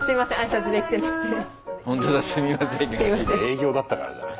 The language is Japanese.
営業だったからじゃない。